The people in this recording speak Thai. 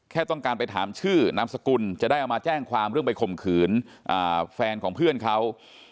แค่ต้องการไปถามชื่อนามสกุลจะได้เอามาแจ้งความเรื่องไปข่มขืนแฟนของเพื่อนเขา